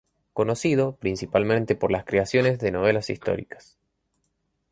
Conocido principalmente por la creación de novelas históricas.